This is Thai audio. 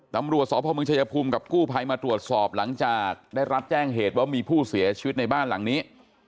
ตำรวจสพเมืองชายภูมิกับกู้ภัยมาตรวจสอบหลังจากได้รับแจ้งเหตุว่ามีผู้เสียชีวิตในบ้านหลังนี้